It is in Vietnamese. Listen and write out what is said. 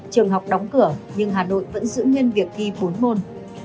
trường học đóng cửa nhưng hà nội vẫn giữ nguyên việc thi bốn môn